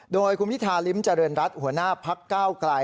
โดยคุณพิธาริมเจริญรัฐหัวหน้าพักก้าวไกล